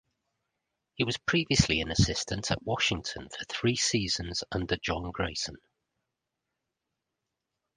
He was previously an assistant at Washington for three seasons under John Grayson.